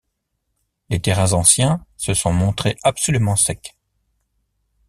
Les terrains anciens se sont montrés absolument secs.